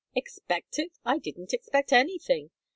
"Expect it! I didn't expect anything.